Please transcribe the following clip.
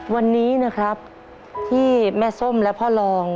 วันนี้นะครับที่แม่ส้มและพ่อรอง